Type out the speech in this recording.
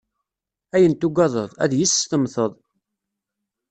Ayen tugadeḍ, ad yes-s temmteḍ.